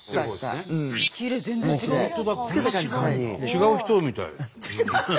違う人みたいって。